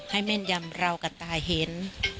ให้แม่นยำเรากับตาเห็น